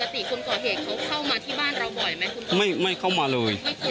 ปกติคนก่อเหตุเขาเข้ามาที่บ้านเราบ่อยไหมคุณไม่ไม่เข้ามาเลย